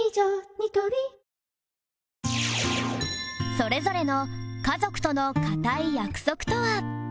それぞれの家族との固い約束とは？